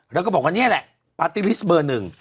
แล้วก็บอกว่านี่แหละปาร์ตี้ลิสต์เบอร์หนึ่ง